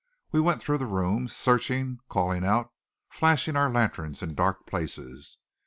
We went through the rooms, searching, calling out, flashing our lanterns in dark places.